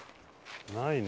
ないね。